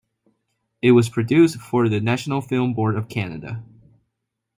It was produced for the National Film Board of Canada.